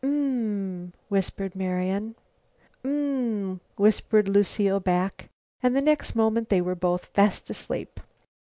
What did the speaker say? "Um m," whispered Marian. "Um m," Lucile answered back. And the next moment they were both fast asleep.